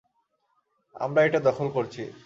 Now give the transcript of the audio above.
আমরা এইটা দখল করছি!